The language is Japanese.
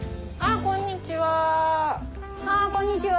あっこんにちは。